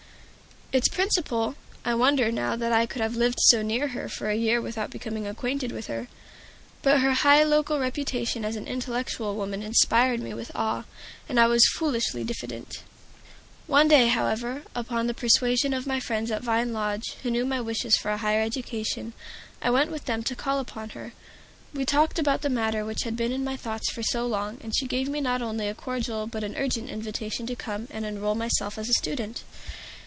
Its Principal I wonder now that I could have lived so near her for a year without becoming acquainted with her, but her high local reputation as an intellectual woman inspired me with awe, and I was foolishly diffident. One day, however, upon the persuasion of my friends at Vine Lodge, who knew my wishes for a higher education, I went with them to call upon her. We talked about the matter which had been in my thoughts so long, and she gave me not only a cordial but an urgent invitation to come and enroll myself as a student.